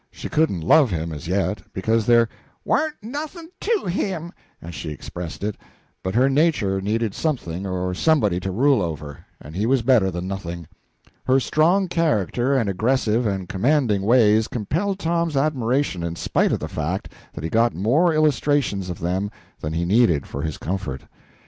She couldn't love him, as yet, because there "warn't nothing to him," as she expressed it, but her nature needed something or somebody to rule over, and he was better than nothing. Her strong character and aggressive and commanding ways compelled Tom's admiration in spite of the fact that he got more illustrations of them than he needed for his comfort.